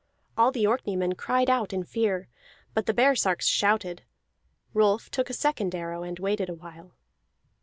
All the Orkneymen cried out in fear, but the baresarks shouted. Rolf took a second arrow and waited awhile.